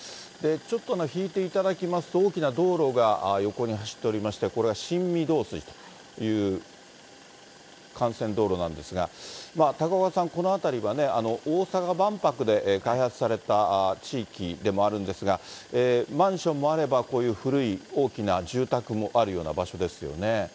ちょっと引いていただきますと、大きな道路が横に走っておりまして、これが新御堂筋という、幹線道路なんですが、高岡さん、この辺りはね、大阪万博で開発された地域でもあるんですが、マンションもあれば、こういう古い大きな住宅もあるような場所ですよね。